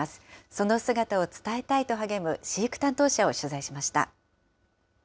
その姿を伝えたいと励む飼育担当者を取材しました。